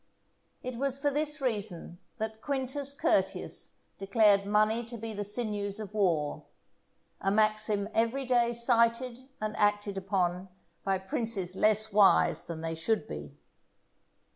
It was for this reason that Quintus Curtius declared money to be the sinews of war, a maxim every day cited and acted upon by princes less wise than they should be.